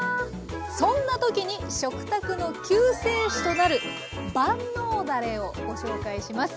そんな時に食卓の救世主となる万能だれをご紹介します。